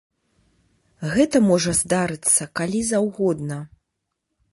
Гэта можа здарыцца калі заўгодна.